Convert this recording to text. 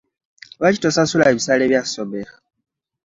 Lwaki tosasula bisale bya somero?